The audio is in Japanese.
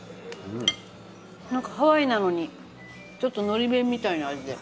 ハワイなのにちょっとのり弁みたいな味で。